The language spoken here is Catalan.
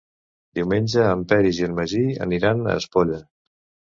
Diumenge en Peris i en Magí aniran a Espolla.